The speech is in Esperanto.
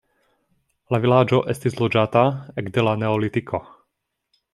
La vilaĝo estis loĝata ekde la neolitiko.